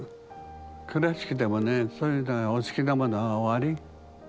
クラシックでもねそういうのでお好きなものはおあり？